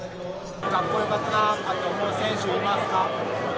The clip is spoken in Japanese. かっこよかったなって思う選手いますか？